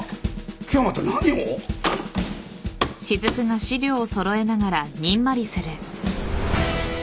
今日はまた何を？